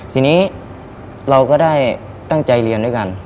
ทีนี้เราก็ได้ตั้งใจเรียนด้วยกัน